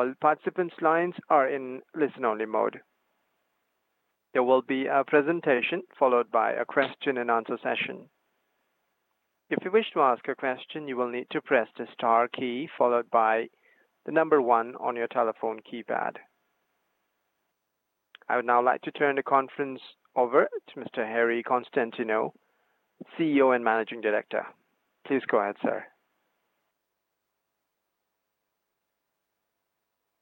All participants' lines are in listen-only mode. There will be a presentation followed by a question-and-answer session. If you wish to ask a question, you will need to press the star key followed by the number one on your telephone keypad. I would now like to turn the conference over to Mr. Harry Konstantinou, CEO and Managing Director. Please go ahead, sir.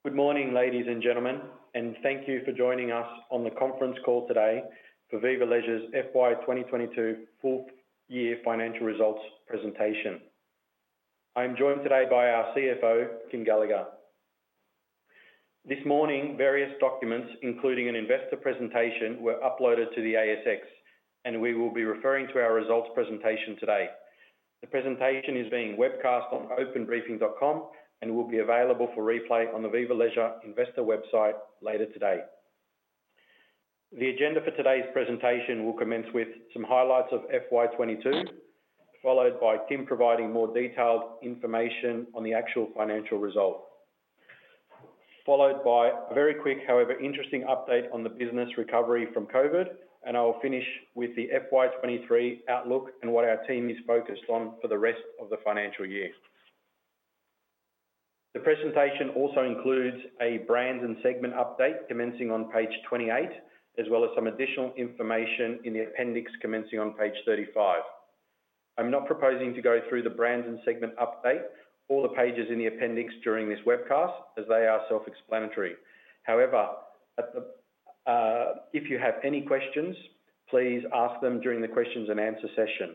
Good morning, ladies and gentlemen, and thank you for joining us on the conference call today for Viva Leisure's FY 2022 full year financial results presentation. I'm joined today by our CFO, Kym Gallagher. This morning, various documents, including an investor presentation, were uploaded to the ASX, and we will be referring to our results presentation today. The presentation is being webcast on OpenBriefing.com and will be available for replay on the Viva Leisure investor website later today. The agenda for today's presentation will commence with some highlights of FY 2022, followed by Kym providing more detailed information on the actual financial result. Followed by a very quick, however, interesting update on the business recovery from COVID, and I'll finish with the FY 2023 outlook and what our team is focused on for the rest of the financial year. The presentation also includes a brands and segment update commencing on page 28, as well as some additional information in the appendix commencing on page 35. I'm not proposing to go through the brands and segment update or the pages in the appendix during this webcast, as they are self-explanatory. However, if you have any questions, please ask them during the questions and answer session.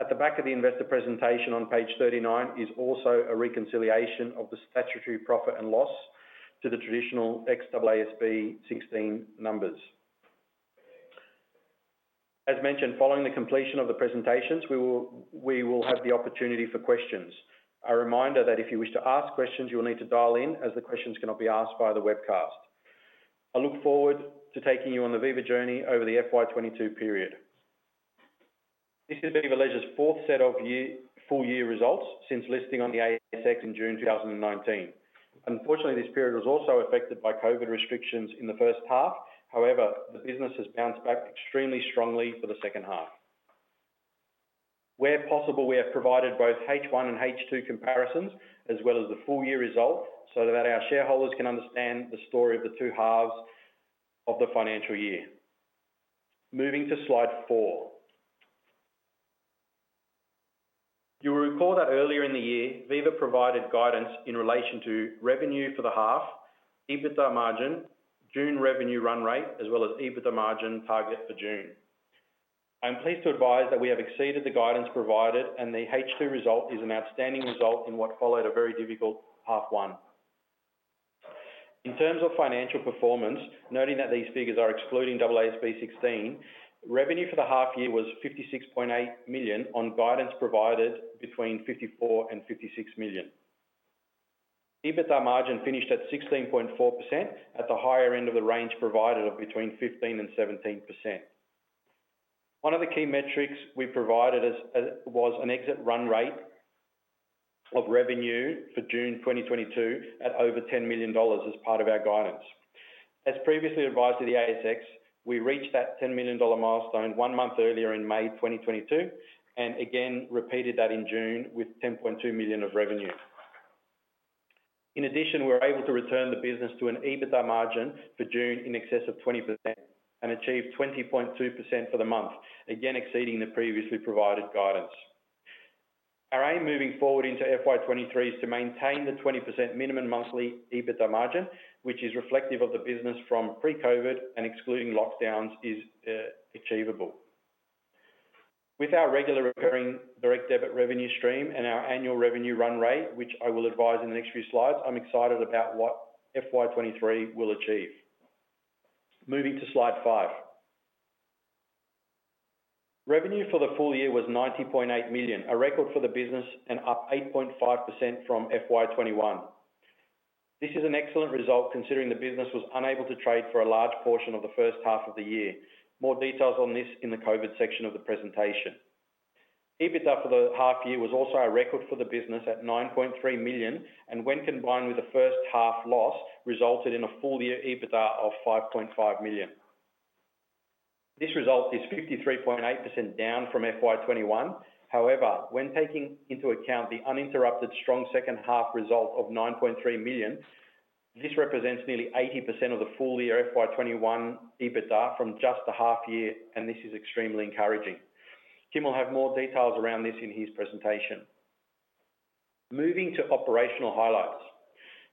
At the back of the investor presentation on page 39 is also a reconciliation of the statutory profit and loss to the traditional AASB 16 numbers. As mentioned, following the completion of the presentations, we will have the opportunity for questions. A reminder that if you wish to ask questions, you will need to dial in as the questions cannot be asked via the webcast. I look forward to taking you on the Viva journey over the FY 2022 period. This is Viva Leisure's fourth set of full-year results since listing on the ASX in June 2019. Unfortunately, this period was also affected by COVID restrictions in the first half. However, the business has bounced back extremely strongly for the second half. Where possible, we have provided both H1 and H2 comparisons as well as the full-year results so that our shareholders can understand the story of the two halves of the financial year. Moving to slide 4. You'll recall that earlier in the year, Viva provided guidance in relation to revenue for the half, EBITDA margin, June revenue run rate, as well as EBITDA margin target for June. I'm pleased to advise that we have exceeded the guidance provided, and the H2 result is an outstanding result in what followed a very difficult half one. In terms of financial performance, noting that these figures are excluding AASB 16, revenue for the half year was 56.8 million on guidance provided between 54 million and 56 million. EBITDA margin finished at 16.4% at the higher end of the range provided of between 15% and 17%. One of the key metrics we provided was an exit run rate of revenue for June 2022 at over 10 million dollars as part of our guidance. As previously advised to the ASX, we reached that 10 million dollar milestone one month earlier in May 2022, and again repeated that in June with 10.2 million of revenue. In addition, we were able to return the business to an EBITDA margin for June in excess of 20% and achieved 20.2% for the month. Again, exceeding the previously provided guidance. Our aim moving forward into FY 2023 is to maintain the 20% minimum monthly EBITDA margin, which is reflective of the business from pre-COVID and excluding lockdowns is achievable. With our regular recurring direct debit revenue stream and our annual revenue run rate, which I will advise in the next few slides, I'm excited about what FY 2023 will achieve. Moving to slide 5. Revenue for the full year was 90.8 million, a record for the business and up 8.5% from FY 2021. This is an excellent result considering the business was unable to trade for a large portion of the first half of the year. More details on this in the COVID section of the presentation. EBITDA for the half year was also a record for the business at 9.3 million, and when combined with the first half loss, resulted in a full-year EBITDA of 5.5 million. This result is 53.8% down from FY 2021. However, when taking into account the uninterrupted, strong second half result of 9.3 million, this represents nearly 80% of the full-year FY 2021 EBITDA from just the half year, and this is extremely encouraging. Kym will have more details around this in his presentation. Moving to operational highlights.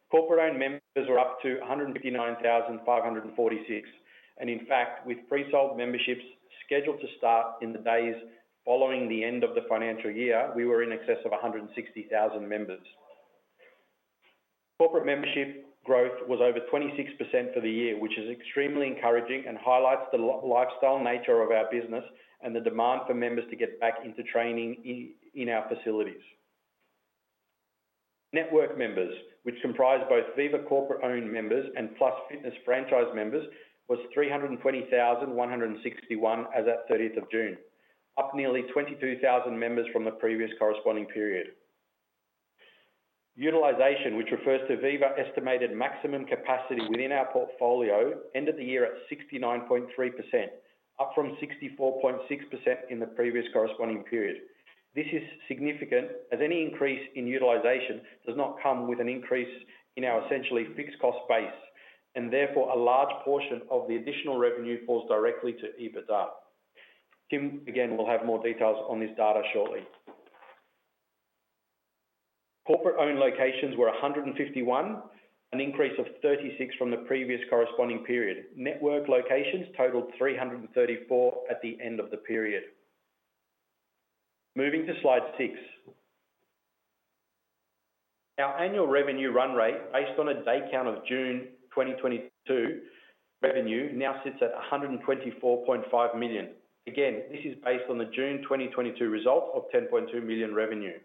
Corporate owned members were up to 159,546, and in fact, with pre-sold memberships scheduled to start in the days following the end of the financial year, we were in excess of 160,000 members. Corporate membership growth was over 26% for the year, which is extremely encouraging and highlights the lifestyle nature of our business and the demand for members to get back into training in our facilities. Network members, which comprise both Viva corporate-owned members and Plus Fitness franchise members, was 320,161 as at thirtieth of June. Up nearly 22,000 members from the previous corresponding period. Utilization, which refers to Viva estimated maximum capacity within our portfolio, ended the year at 69.3%, up from 64.6% in the previous corresponding period. This is significant as any increase in utilization does not come with an increase in our essentially fixed cost base, and therefore a large portion of the additional revenue falls directly to EBITDA. Kym, again, will have more details on this data shortly. Corporate-owned locations were 151, an increase of 36 from the previous corresponding period. Network locations totaled 334 at the end of the period. Moving to slide 6. Our annual revenue run rate, based on a day count of June 2022 revenue, now sits at 124.5 million. Again, this is based on the June 2022 result of 10.2 million revenue.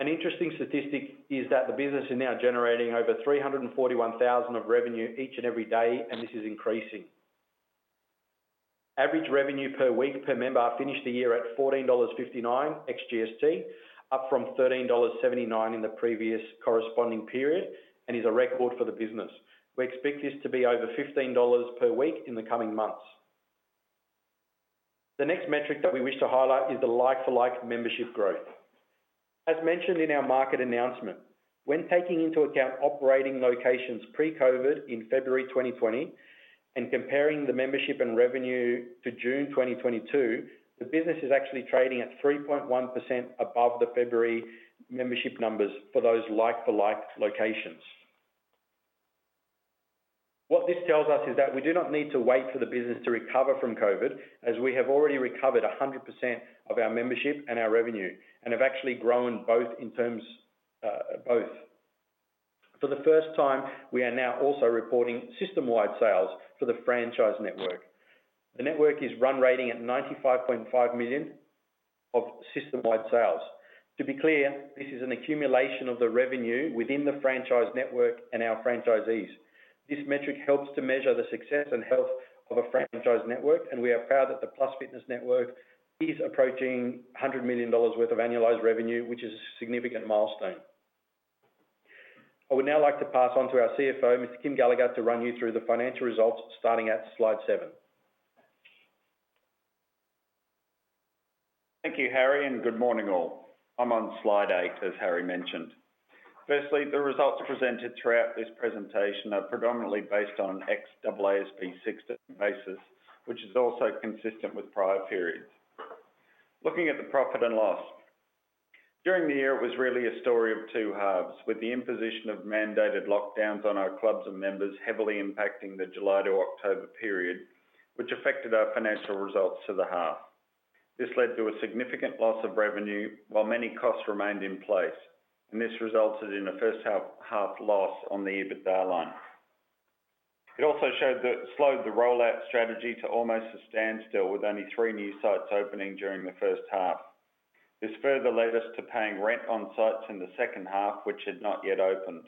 An interesting statistic is that the business is now generating over 341,000 of revenue each and every day, and this is increasing. Average revenue per week per member finished the year at 14.59 dollars ex GST, up from 13.79 dollars in the previous corresponding period, and is a record for the business. We expect this to be over 15 dollars per week in the coming months. The next metric that we wish to highlight is the like-for-like membership growth. As mentioned in our market announcement, when taking into account operating locations pre-COVID in February 2020 and comparing the membership and revenue to June 2022, the business is actually trading at 3.1% above the February membership numbers for those like-for-like locations. What this tells us is that we do not need to wait for the business to recover from COVID, as we have already recovered 100% of our membership and our revenue, and have actually grown both in terms, both. For the first time, we are now also reporting system-wide sales for the franchise network. The network is running at 95.5 million of system-wide sales. To be clear, this is an accumulation of the revenue within the franchise network and our franchisees. This metric helps to measure the success and health of a franchise network, and we are proud that the Plus Fitness network is approaching 100 million dollars worth of annualized revenue, which is a significant milestone. I would now like to pass on to our CFO, Mr. Kym Gallagher, to run you through the financial results starting at slide 7. Thank you, Harry, and good morning all. I'm on slide eight, as Harry mentioned. Firstly, the results presented throughout this presentation are predominantly based on ex-AASB 16 basis, which is also consistent with prior periods. Looking at the profit and loss. During the year, it was really a story of two halves, with the imposition of mandated lockdowns on our clubs and members heavily impacting the July to October period, which affected our financial results for the half. This led to a significant loss of revenue while many costs remained in place, and this resulted in a first half loss on the EBITDA line. It also slowed the rollout strategy to almost a standstill with only three new sites opening during the first half. This further led us to paying rent on sites in the second half, which had not yet opened.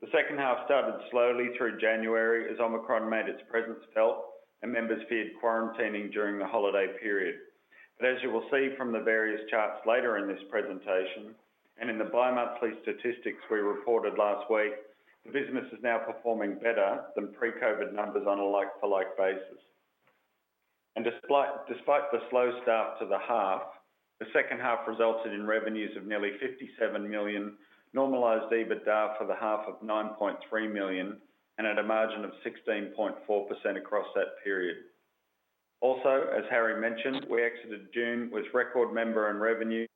The second half started slowly through January as Omicron made its presence felt and members feared quarantining during the holiday period. As you will see from the various charts later in this presentation and in the bi-monthly statistics we reported last week, the business is now performing better than pre-COVID numbers on a like-for-like basis. Despite the slow start to the half, the second half resulted in revenues of nearly 57 million, normalized EBITDA for the half of 9.3 million, and at a margin of 16.4% across that period. Also, as Harry mentioned, we exited June with record member and revenues,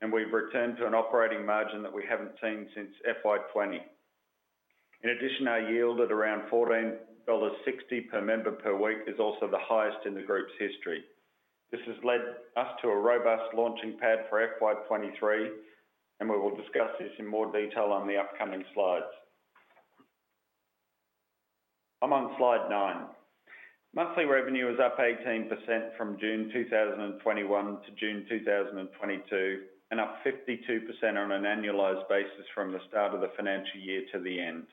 and we've returned to an operating margin that we haven't seen since FY 2020. In addition, our yield at around AUD 14.60 per member per week is also the highest in the group's history. This has led us to a robust launching pad for FY 2023, and we will discuss this in more detail on the upcoming slides. I'm on slide nine. Monthly revenue is up 18% from June 2021 to June 2022, and up 52% on an annualized basis from the start of the financial year to the end.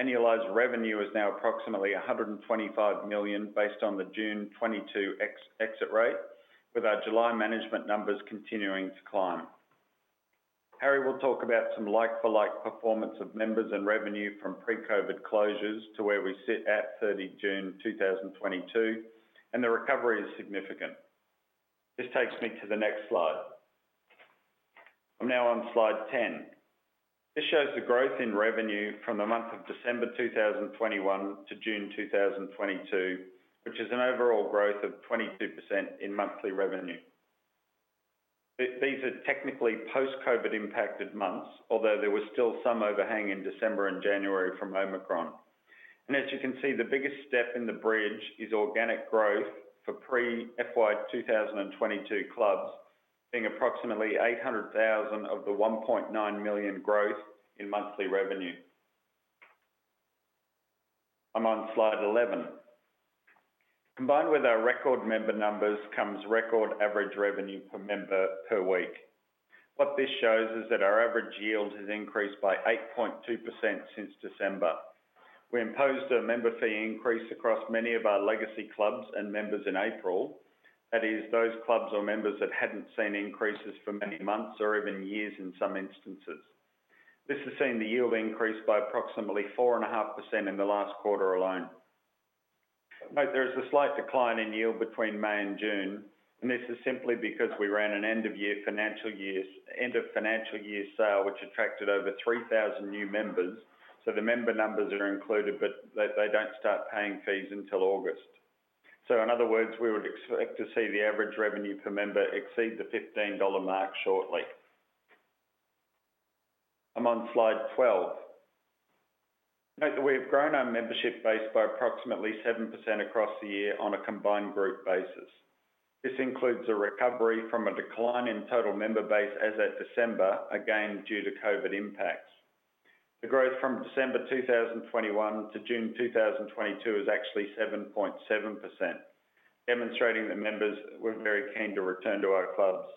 Annualized revenue is now approximately 125 million based on the June 2022 exit rate, with our July management numbers continuing to climb. Harry will talk about some like-for-like performance of members and revenue from pre-COVID closures to where we sit at 30 June 2022, and the recovery is significant. This takes me to the next slide. I'm now on slide 10. This shows the growth in revenue from the month of December 2021 to June 2022, which is an overall growth of 22% in monthly revenue. These are technically post-COVID impacted months, although there was still some overhang in December and January from Omicron. As you can see, the biggest step in the bridge is organic growth for pre-FY 2022 clubs, being approximately 800,000 of the 1.9 million growth in monthly revenue. I'm on slide 11. Combined with our record member numbers comes record average revenue per member per week. What this shows is that our average yield has increased by 8.2% since December. We imposed a member fee increase across many of our legacy clubs and members in April. That is, those clubs or members that hadn't seen increases for many months or even years in some instances. This has seen the yield increase by approximately 4.5% in the last quarter alone. Note there is a slight decline in yield between May and June, and this is simply because we ran an end of financial year sale, which attracted over 3,000 new members. The member numbers are included, but they don't start paying fees until August. In other words, we would expect to see the average revenue per member exceed the 15 dollar mark shortly. I'm on slide 12. Note that we have grown our membership base by approximately 7% across the year on a combined group basis. This includes a recovery from a decline in total member base as at December, again, due to COVID impacts. The growth from December 2021 to June 2022 is actually 7.7%, demonstrating that members were very keen to return to our clubs.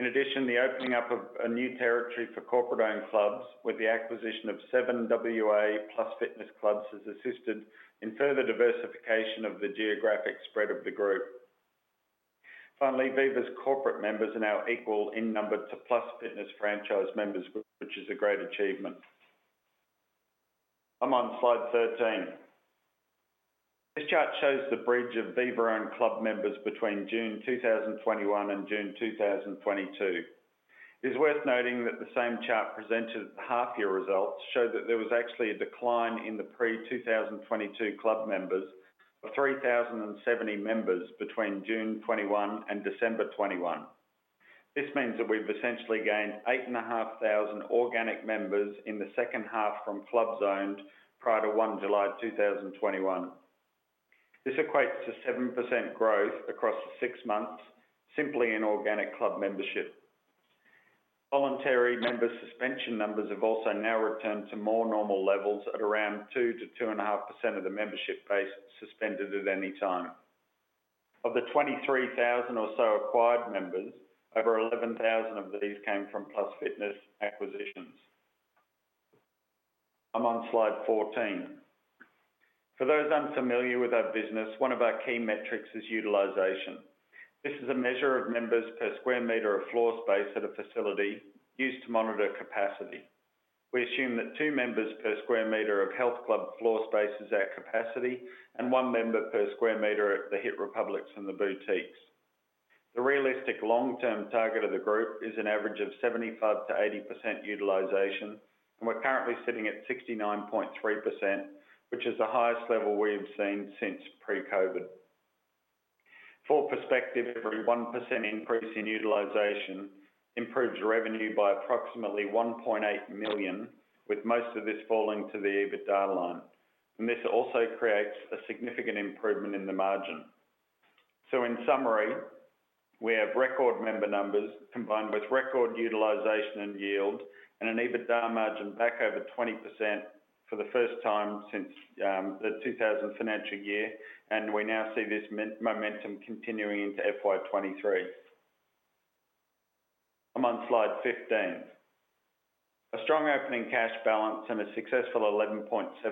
In addition, the opening up of a new territory for corporate-owned clubs with the acquisition of seven WA Plus Fitness clubs has assisted in further diversification of the geographic spread of the group. Finally, Viva's corporate members are now equal in number to Plus Fitness franchise members, which is a great achievement. I'm on slide 13. This chart shows the bridge of Viva-owned club members between June 2021 and June 2022. It is worth noting that the same chart presented at the half-year results showed that there was actually a decline in the pre-2022 club members of 3,070 members between June 2021 and December 2021. This means that we've essentially gained 8,500 organic members in the second half from clubs owned prior to 1 July 2021. This equates to 7% growth across the six months, simply in organic club membership. Voluntary member suspension numbers have also now returned to more normal levels at around 2%-2.5% of the membership base suspended at any time. Of the 23,000 or so acquired members, over 11,000 of these came from Plus Fitness acquisitions. I'm on slide 14. For those unfamiliar with our business, one of our key metrics is utilization. This is a measure of members per square meter of floor space at a facility used to monitor capacity. We assume that two members per square meter of health club floor space is our capacity and one member per square meter at the hiit republic and the boutiques. The realistic long-term target of the group is an average of 75%-80% utilization, and we're currently sitting at 69.3%, which is the highest level we have seen since pre-COVID. For perspective, every 1% increase in utilization improves revenue by approximately 1.8 million, with most of this falling to the EBITDA line. This also creates a significant improvement in the margin. In summary, we have record member numbers combined with record utilization and yield and an EBITDA margin back over 20% for the first time since the 2000 financial year. We now see this momentum continuing into FY 2023. I'm on slide 15. A strong opening cash balance and a successful 11.7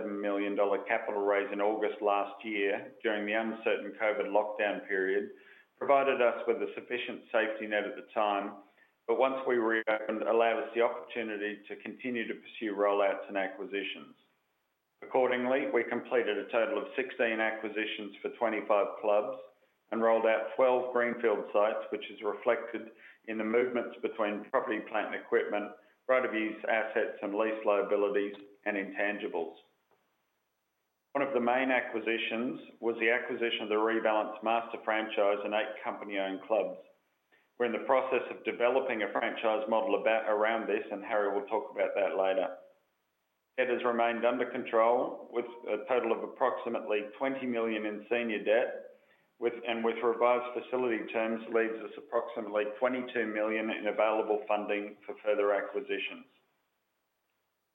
million dollar capital raise in August last year during the uncertain COVID lockdown period provided us with a sufficient safety net at the time, but once we reopened, allowed us the opportunity to continue to pursue rollouts and acquisitions. Accordingly, we completed a total of 16 acquisitions for 25 clubs and rolled out 12 greenfield sites, which is reflected in the movements between property, plant, and equipment, right-of-use assets and lease liabilities and intangibles. One of the main acquisitions was the acquisition of the Rebalance Master franchise and 8 company-owned clubs. We're in the process of developing a franchise model around this, and Harry will talk about that later. Debt has remained under control with a total of approximately 20 million in senior debt, with revised facility terms, leaves us approximately 22 million in available funding for further acquisitions.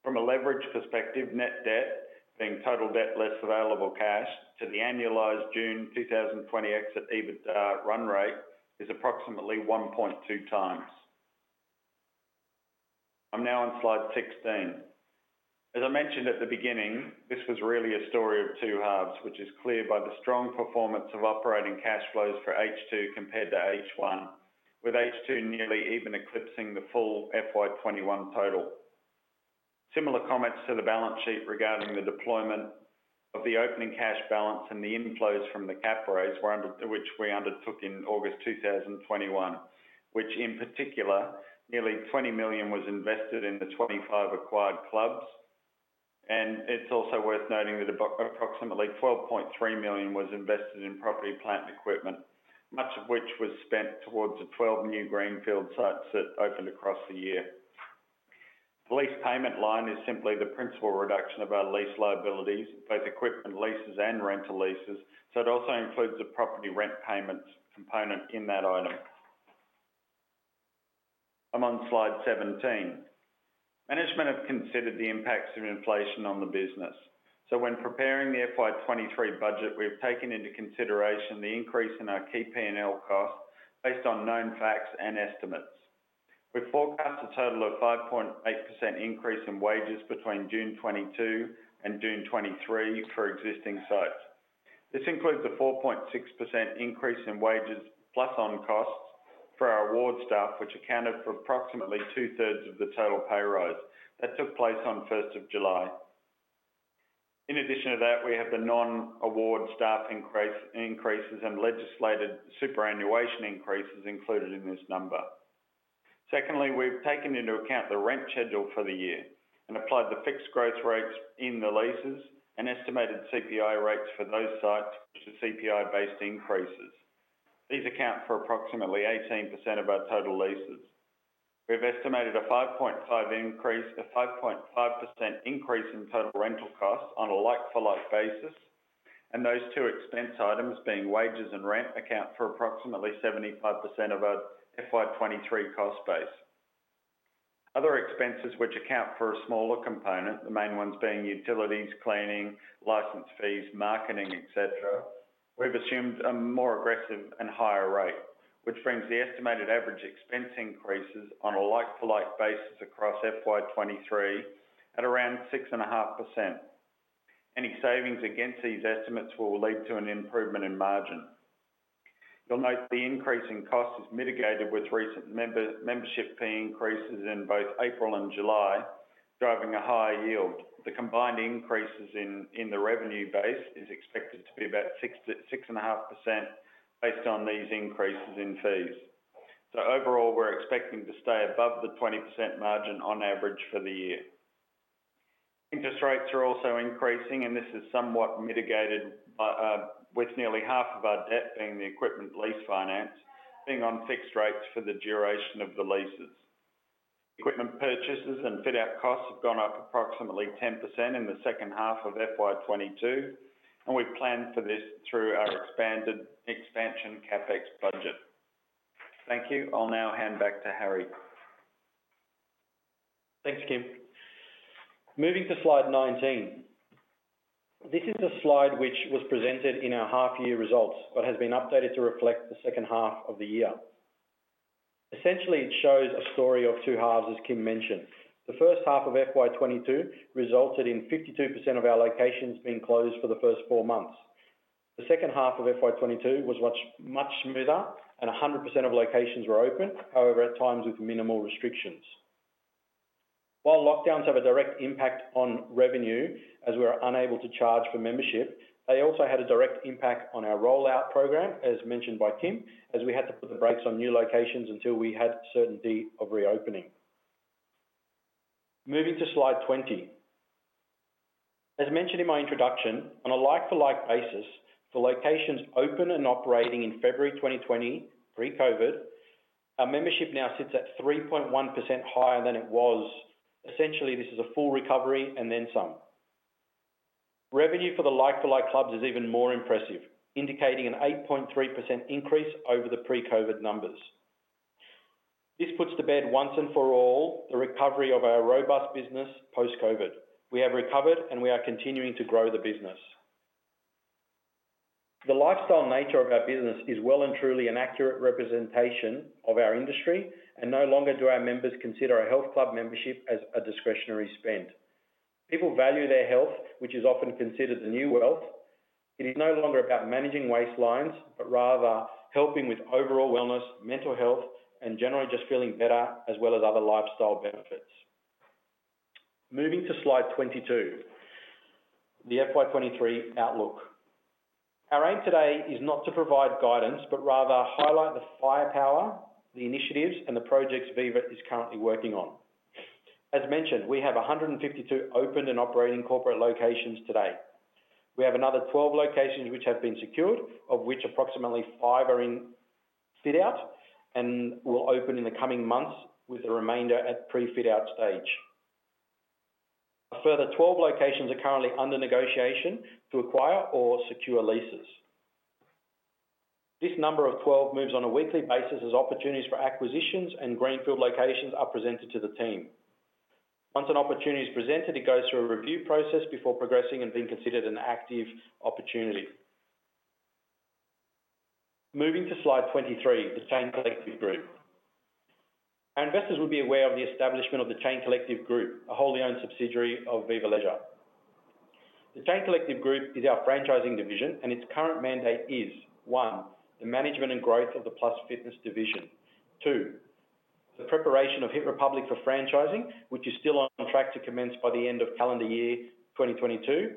From a leverage perspective, net debt, being total debt less available cash, to the annualized June 2020 exit EBITDA run rate, is approximately 1.2 times. I'm now on slide 16. As I mentioned at the beginning, this was really a story of two halves, which is clear by the strong performance of operating cash flows for H2 compared to H1, with H2 nearly even eclipsing the full FY 2021 total. Similar comments to the balance sheet regarding the deployment of the opening cash balance and the inflows from the cap raise which we undertook in August 2021, which in particular, nearly 20 million was invested in the 25 acquired clubs. It's also worth noting that approximately 12.3 million was invested in property, plant, and equipment, much of which was spent towards the 12 new greenfield sites that opened across the year. The lease payment line is simply the principal reduction of our lease liabilities, both equipment leases and rental leases, so it also includes a property rent payment component in that item. I'm on slide 17. Management have considered the impacts of inflation on the business. When preparing the FY 2023 budget, we've taken into consideration the increase in our key P&L costs based on known facts and estimates. We forecast a total of 5.8% increase in wages between June 2022 and June 2023 for existing sites. This includes a 4.6% increase in wages plus on costs for our award staff, which accounted for approximately two-thirds of the total pay rise that took place on first of July. In addition to that, we have the non-award staff increases and legislated superannuation increases included in this number. Secondly, we've taken into account the rent schedule for the year and applied the fixed growth rates in the leases and estimated CPI rates for those sites, which are CPI-based increases. These account for approximately 18% of our total leases. We've estimated a 5.5% increase in total rental costs on a like-for-like basis, and those two expense items being wages and rent account for approximately 75% of our FY 2023 cost base. Other expenses which account for a smaller component, the main ones being utilities, cleaning, license fees, marketing, et cetera, we've assumed a more aggressive and higher rate, which brings the estimated average expense increases on a like-for-like basis across FY 2023 at around 6.5%. Any savings against these estimates will lead to an improvement in margin. You'll note the increase in cost is mitigated with recent membership fee increases in both April and July, driving a higher yield. The combined increases in the revenue base is expected to be about 6.5% based on these increases in fees. Overall, we're expecting to stay above the 20% margin on average for the year. Interest rates are also increasing, and this is somewhat mitigated by, with nearly half of our debt being the equipment lease finance on fixed rates for the duration of the leases. Equipment purchases and fit-out costs have gone up approximately 10% in the second half of FY 2022, and we've planned for this through our expanded CapEx budget. Thank you. I'll now hand back to Harry. Thanks, Kym. Moving to slide 19. This is the slide which was presented in our half-year results, but has been updated to reflect the second half of the year. Essentially, it shows a story of two halves, as Kym mentioned. The first half of FY 2022 resulted in 52% of our locations being closed for the first four months. The second half of FY 2022 was much, much smoother, and 100% of locations were open, however, at times with minimal restrictions. While lockdowns have a direct impact on revenue, as we're unable to charge for membership, they also had a direct impact on our rollout program, as mentioned by Kym, as we had to put the brakes on new locations until we had certainty of reopening. Moving to slide 20. As mentioned in my introduction, on a like-for-like basis, for locations open and operating in February 2020, pre-COVID, our membership now sits at 3.1% higher than it was. Essentially, this is a full recovery and then some. Revenue for the like-for-like clubs is even more impressive, indicating an 8.3% increase over the pre-COVID numbers. This puts to bed once and for all the recovery of our robust business post-COVID. We have recovered, and we are continuing to grow the business. The lifestyle nature of our business is well and truly an accurate representation of our industry, and no longer do our members consider a health club membership as a discretionary spend. People value their health, which is often considered the new wealth. It is no longer about managing waistlines, but rather helping with overall wellness, mental health, and generally just feeling better, as well as other lifestyle benefits. Moving to slide 22, the FY 2023 outlook. Our aim today is not to provide guidance, but rather highlight the firepower, the initiatives, and the projects Viva is currently working on. As mentioned, we have 152 opened and operating corporate locations today. We have another 12 locations which have been secured, of which approximately 5 are in fit-out and will open in the coming months, with the remainder at pre-fit-out stage. A further 12 locations are currently under negotiation to acquire or secure leases. This number of 12 moves on a weekly basis as opportunities for acquisitions and greenfield locations are presented to the team. Once an opportunity is presented, it goes through a review process before progressing and being considered an active opportunity. Moving to slide 23, the Chain Collective Group. Our investors will be aware of the establishment of the Chain Collective Group, a wholly owned subsidiary of Viva Leisure. The Chain Collective Group is our franchising division, and its current mandate is, 1, the management and growth of the Plus Fitness division. Two, the preparation of hiit republic for franchising, which is still on track to commence by the end of calendar year 2022.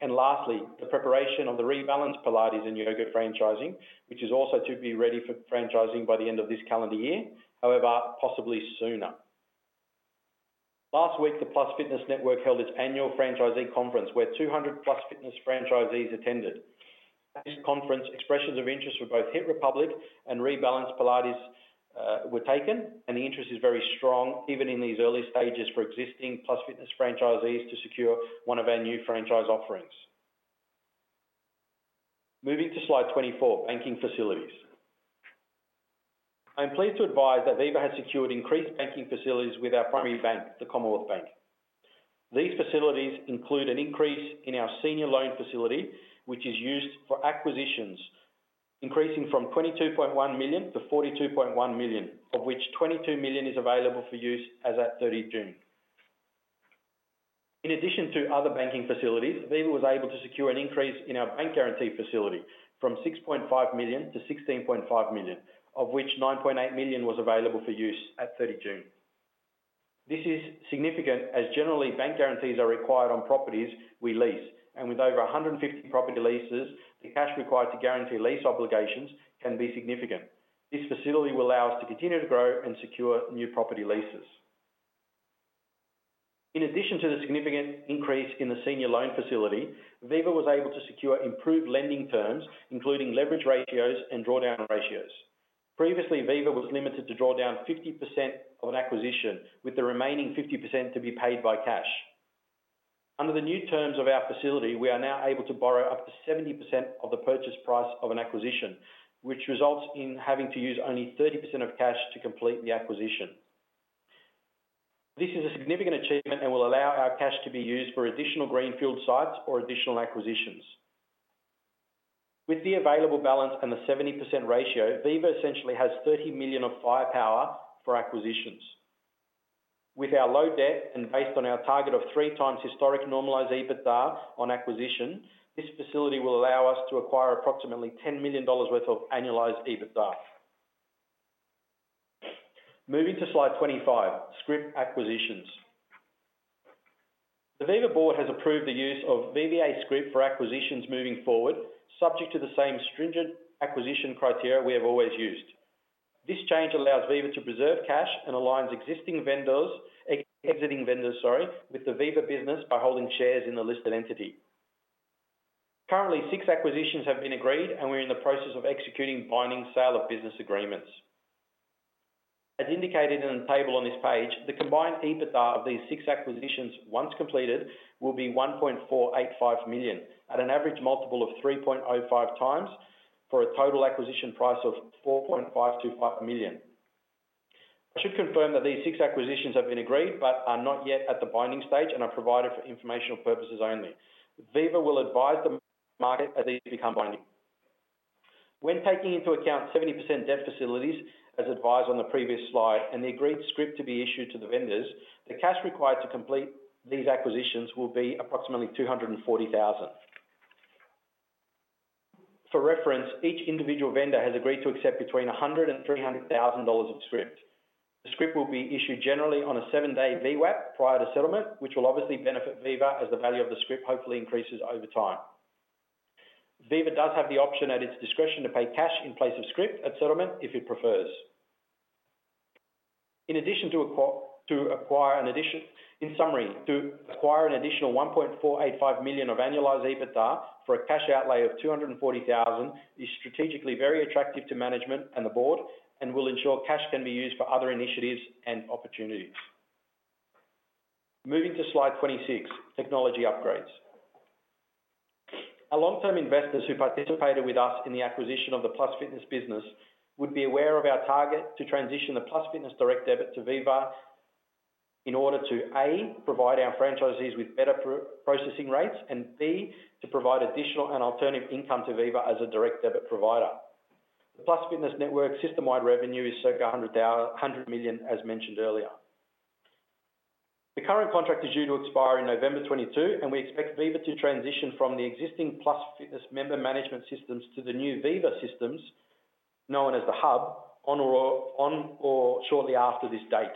And lastly, the preparation of the Rebalance Pilates and Yoga franchising, which is also to be ready for franchising by the end of this calendar year, however, possibly sooner. Last week, the Plus Fitness network held its annual franchisee conference, where 200 Plus Fitness franchisees attended. At this conference, expressions of interest for both hiit republic and Rebalance Pilates were taken, and the interest is very strong, even in these early stages, for existing Plus Fitness franchisees to secure one of our new franchise offerings. Moving to slide 24, banking facilities. I'm pleased to advise that Viva has secured increased banking facilities with our primary bank, the Commonwealth Bank. These facilities include an increase in our senior loan facility, which is used for acquisitions, increasing from 22.1 million to 42.1 million, of which 22 million is available for use as at 30 June. In addition to other banking facilities, Viva was able to secure an increase in our bank guarantee facility from 6.5 million to 16.5 million, of which 9.8 million was available for use at 30 June. This is significant as generally, bank guarantees are required on properties we lease, and with over 150 property leases, the cash required to guarantee lease obligations can be significant. This facility will allow us to continue to grow and secure new property leases. In addition to the significant increase in the senior loan facility, Viva was able to secure improved lending terms, including leverage ratios and drawdown ratios. Previously, Viva was limited to draw down 50% of an acquisition, with the remaining 50% to be paid by cash. Under the new terms of our facility, we are now able to borrow up to 70% of the purchase price of an acquisition, which results in having to use only 30% of cash to complete the acquisition. This is a significant achievement and will allow our cash to be used for additional greenfield sites or additional acquisitions. With the available balance and the 70% ratio, Viva essentially has 30 million of firepower for acquisitions. With our low debt and based on our target of 3x historic normalized EBITDA on acquisition, this facility will allow us to acquire approximately 10 million dollars worth of annualized EBITDA. Moving to slide 25, scrip acquisitions. The Viva board has approved the use of VVA scrip for acquisitions moving forward, subject to the same stringent acquisition criteria we have always used. This change allows Viva to preserve cash and aligns existing vendors with the Viva business by holding shares in the listed entity. Currently, 6 acquisitions have been agreed, and we're in the process of executing binding sale of business agreements. As indicated in the table on this page, the combined EBITDA of these six acquisitions once completed will be 1.485 million at an average multiple of 3.05x for a total acquisition price of 4.525 million. I should confirm that these six acquisitions have been agreed but are not yet at the binding stage and are provided for informational purposes only. Viva will advise the market as these become binding. When taking into account 70% debt facilities, as advised on the previous slide, and the agreed scrip to be issued to the vendors, the cash required to complete these acquisitions will be approximately 240,000. For reference, each individual vendor has agreed to accept between 100,000 and 300,000 dollars of scrip. The scrip will be issued generally on a seven-day VWAP prior to settlement, which will obviously benefit Viva as the value of the scrip hopefully increases over time. Viva does have the option at its discretion to pay cash in place of scrip at settlement if it prefers. In summary, to acquire an additional 1.485 million of annualized EBITDA for a cash outlay of 240,000 is strategically very attractive to management and the board and will ensure cash can be used for other initiatives and opportunities. Moving to slide 26, technology upgrades. Our long-term investors who participated with us in the acquisition of the Plus Fitness business would be aware of our target to transition the Plus Fitness direct debit to Viva in order to, A, provide our franchisees with better processing rates, and B, to provide additional and alternative income to Viva as a direct debit provider. The Plus Fitness network system-wide revenue is circa 100 million, as mentioned earlier. The current contract is due to expire in November 2022, and we expect Viva to transition from the existing Plus Fitness member management systems to the new Viva systems, known as The Hub, on or shortly after this date.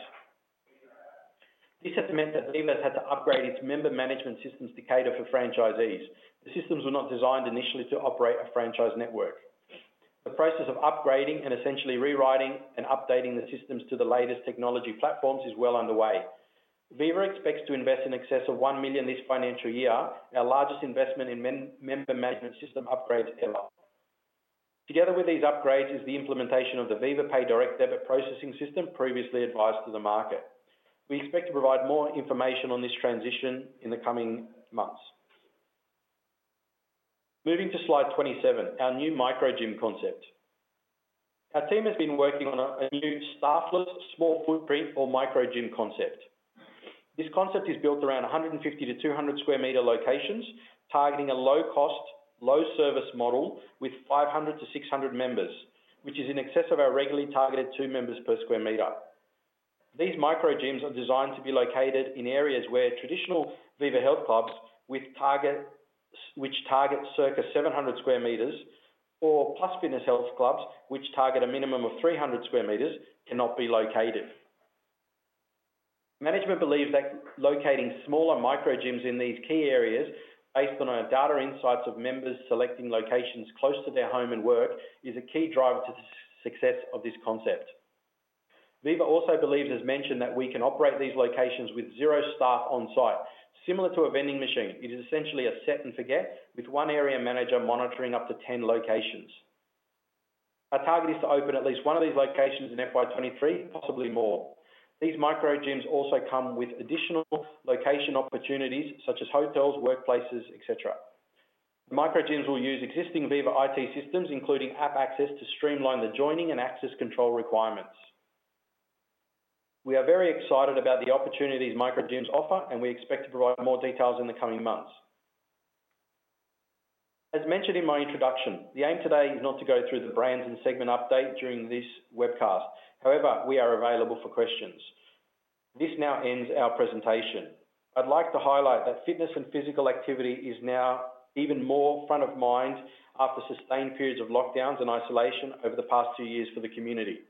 This has meant that Viva's had to upgrade its member management systems to cater for franchisees. The systems were not designed initially to operate a franchise network. The process of upgrading and essentially rewriting and updating the systems to the latest technology platforms is well underway. Viva expects to invest in excess of 1 million this financial year, our largest investment in member management system upgrades ever. Together with these upgrades is the implementation of the Viva Pay direct debit processing system previously advised to the market. We expect to provide more information on this transition in the coming months. Moving to slide 27, our new micro gym concept. Our team has been working on a new staff-less, small footprint or micro gym concept. This concept is built around 150-200 sq m locations, targeting a low-cost, low-service model with 500-600 members, which is in excess of our regularly targeted two members per square meter. These micro gyms are designed to be located in areas where traditional Viva Health Clubs with targets, which target circa 700 sq m or Plus Fitness health clubs, which target a minimum of 300 sq m, cannot be located. Management believes that locating smaller micro gyms in these key areas based on our data insights of members selecting locations close to their home and work, is a key driver to success of this concept. Viva also believes, as mentioned, that we can operate these locations with zero staff on-site. Similar to a vending machine, it is essentially a set and forget with one area manager monitoring up to 10 locations. Our target is to open at least one of these locations in FY 2023, possibly more. These micro gyms also come with additional location opportunities such as hotels, workplaces, et cetera. The micro gyms will use existing Viva IT systems, including app access, to streamline the joining and access control requirements. We are very excited about the opportunities micro gyms offer, and we expect to provide more details in the coming months. As mentioned in my introduction, the aim today is not to go through the brands and segment update during this webcast. However, we are available for questions. This now ends our presentation. I'd like to highlight that fitness and physical activity is now even more front of mind after sustained periods of lockdowns and isolation over the past two years for the community.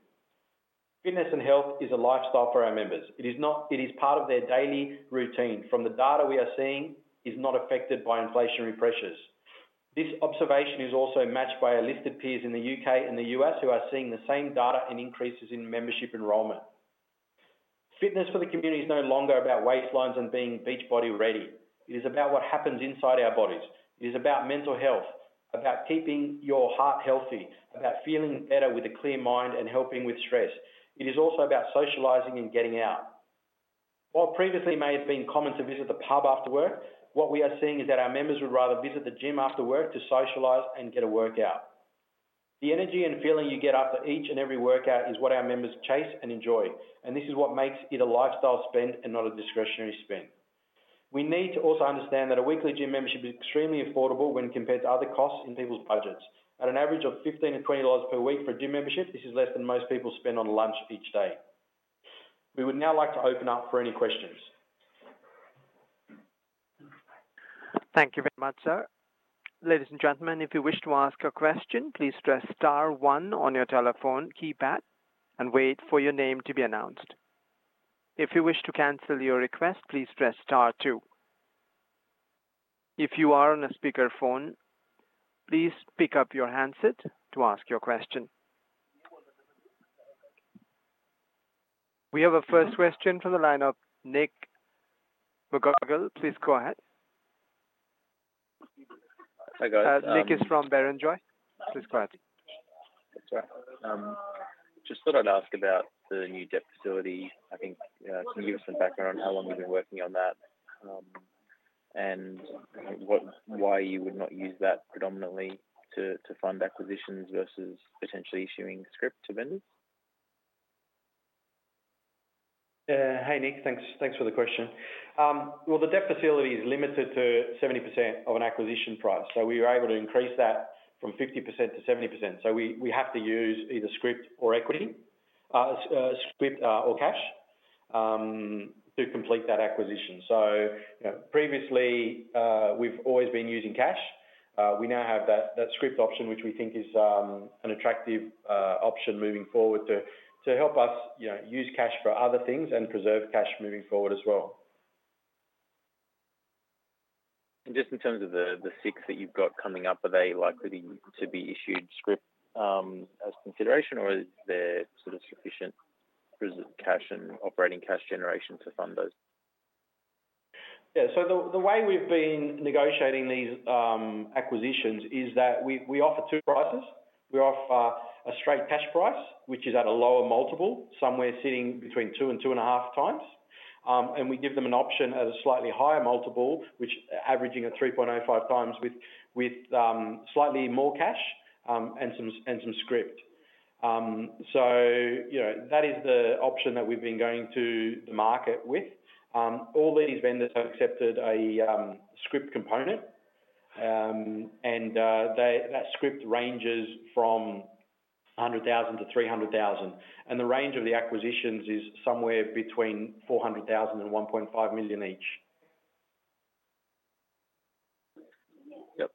Fitness and health is a lifestyle for our members. It is part of their daily routine. From the data we are seeing, it's not affected by inflationary pressures. This observation is also matched by our listed peers in the U.K. and the U.S. who are seeing the same data and increases in membership enrollment. Fitness for the community is no longer about waistlines and being beach body ready. It is about what happens inside our bodies. It is about mental health, about keeping your heart healthy, about feeling better with a clear mind and helping with stress. It is also about socializing and getting out. While previously it may have been common to visit the pub after work, what we are seeing is that our members would rather visit the gym after work to socialize and get a workout. The energy and feeling you get after each and every workout is what our members chase and enjoy, and this is what makes it a lifestyle spend and not a discretionary spend. We need to also understand that a weekly gym membership is extremely affordable when compared to other costs in people's budgets. At an average of 15-20 dollars per week for a gym membership, this is less than most people spend on lunch each day. We would now like to open up for any questions. Thank you very much, sir. Ladies and gentlemen, if you wish to ask a question, please press star one on your telephone keypad and wait for your name to be announced. If you wish to cancel your request, please press star two. If you are on a speaker phone, please pick up your handset to ask your question. We have a first question from the line of Nick McGarrigle. Please go ahead. Hi, guys. Nick is from Barrenjoey. Please go ahead. That's all right. Just thought I'd ask about the new debt facility. I think can you give us some background on how long you've been working on that and why you would not use that predominantly to fund acquisitions versus potentially issuing scrip to vendors? Hi, Nick. Thanks for the question. Well, the debt facility is limited to 70% of an acquisition price. We were able to increase that from 50% to 70%. We have to use either scrip or equity or cash to complete that acquisition. You know, previously, we've always been using cash. We now have that scrip option, which we think is an attractive option moving forward to help us, you know, use cash for other things and preserve cash moving forward as well. Just in terms of the six that you've got coming up, are they likely to be issued scrip as consideration, or is there sort of sufficient present cash and operating cash generation to fund those? Yeah. The way we've been negotiating these acquisitions is that we offer two prices. We offer a straight cash price, which is at a lower multiple, somewhere between 2-2.5 times. We give them an option at a slightly higher multiple, averaging at 3.05 times with slightly more cash and some scrip. You know, that is the option that we've been going to the market with. All these vendors have accepted a scrip component, and that scrip ranges from 100,000-300,000. The range of the acquisitions is somewhere between 400,000-1.5 million each. Yep.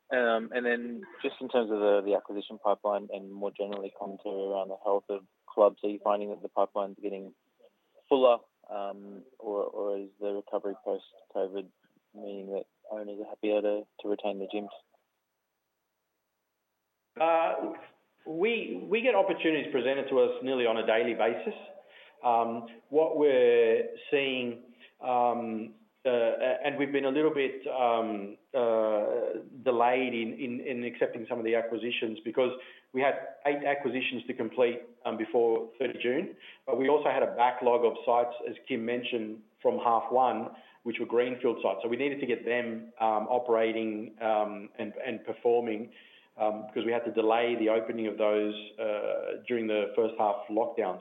Just in terms of the acquisition pipeline and more generally commentary around the health of clubs, are you finding that the pipeline's getting fuller, or is the recovery post-COVID meaning that owners are happier to retain the gyms? We get opportunities presented to us nearly on a daily basis. What we're seeing, and we've been a little bit delayed in accepting some of the acquisitions because we had eight acquisitions to complete before third of June. We also had a backlog of sites, as Kym mentioned, from half one, which were greenfield sites. We needed to get them operating and performing 'cause we had to delay the opening of those during the first half lockdown.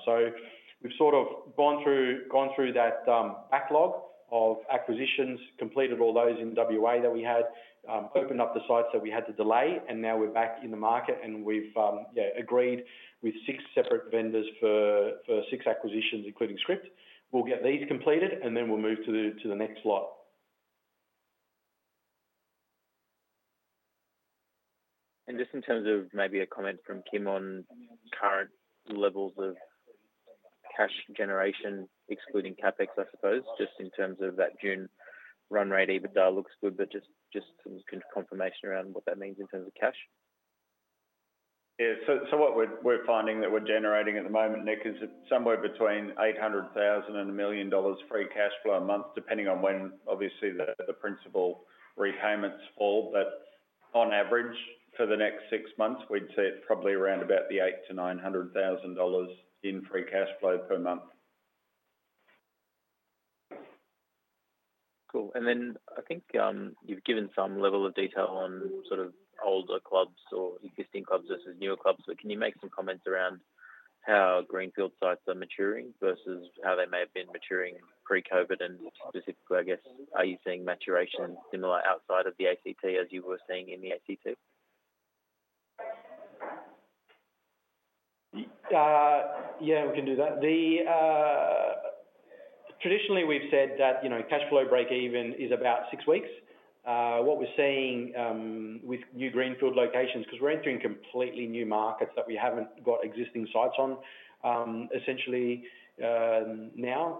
We've sort of gone through that backlog of acquisitions, completed all those in WA that we had, opened up the sites that we had to delay, and now we're back in the market, and we've, yeah, agreed with six separate vendors for six acquisitions, including script. We'll get these completed, and then we'll move to the next lot. Just in terms of maybe a comment from Kym on current levels of cash generation, excluding CapEx, I suppose, just in terms of that June run rate, EBITDA looks good, but just some confirmation around what that means in terms of cash. Yeah. What we're finding that we're generating at the moment, Nick, is somewhere between 800,000 and 1 million dollars free cash flow a month, depending on when obviously the principal repayments fall. On average, for the next six months, we'd say it's probably around about 800,000-900,000 dollars in free cash flow per month. Cool. I think, you've given some level of detail on sort of older clubs or existing clubs versus newer clubs. Can you make some comments around how greenfield sites are maturing versus how they may have been maturing pre-COVID? Specifically, I guess, are you seeing maturation similar outside of the ACT as you were seeing in the ACT? Yeah, we can do that. Traditionally we've said that, you know, cash flow breakeven is about six weeks. What we're seeing with new greenfield locations, 'cause we're entering completely new markets that we haven't got existing sites on, essentially now.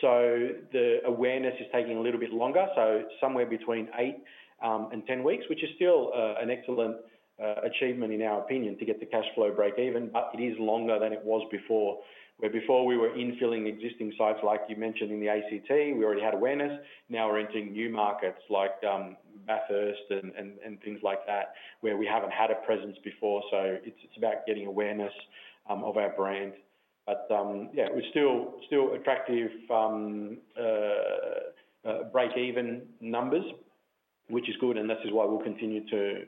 So the awareness is taking a little bit longer, so somewhere between eight and 10 weeks, which is still an excellent achievement in our opinion to get the cash flow breakeven, but it is longer than it was before. Where before we were infilling existing sites, like you mentioned in the ACT, we already had awareness. Now we're entering new markets like Bathurst and things like that, where we haven't had a presence before. So it's about getting awareness of our brand. Yeah, we're still attractive breakeven numbers, which is good, and this is why we'll continue to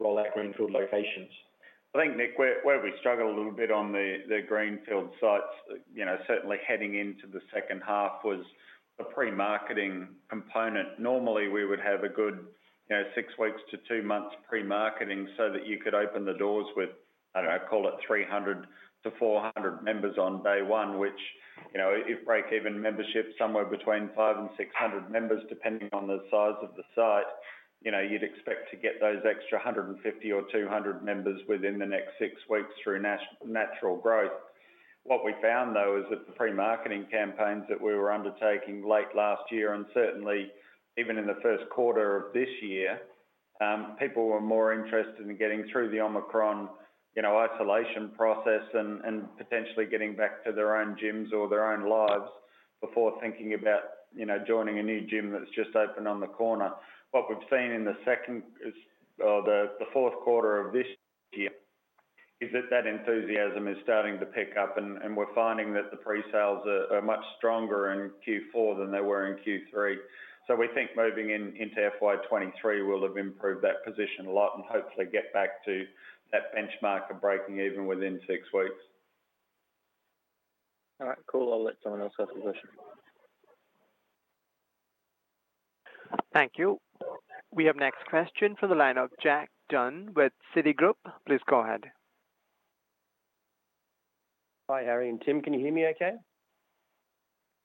roll out greenfield locations. I think, Nick, where we struggled a little bit on the greenfield sites, you know, certainly heading into the second half, was the pre-marketing component. Normally, we would have a good, you know, 6 weeks to 2 months pre-marketing so that you could open the doors with, I don't know, call it 300-400 members on day one, which, you know, if breakeven membership's somewhere between 500-600 members, depending on the size of the site, you know, you'd expect to get those extra 150 or 200 members within the next 6 weeks through natural growth. What we found, though, is that the pre-marketing campaigns that we were undertaking late last year, and certainly even in the first quarter of this year, people were more interested in getting through the Omicron, you know, isolation process and potentially getting back to their own gyms or their own lives before thinking about, you know, joining a new gym that's just opened on the corner. What we've seen in the fourth quarter of this year is that that enthusiasm is starting to pick up, and we're finding that the pre-sales are much stronger in Q4 than they were in Q3. We think moving into FY 2023, we'll have improved that position a lot and hopefully get back to that benchmark of breaking even within six weeks. All right, cool. I'll let someone else ask a question. Thank you. We have next question from the line of Jack Dunn with Citigroup. Please go ahead. Hi, Harry and Kym. Can you hear me okay?